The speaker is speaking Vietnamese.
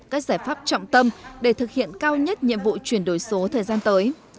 các giải pháp trọng tâm để thực hiện cao nhất nhiệm vụ chuyển đổi số thời gian tới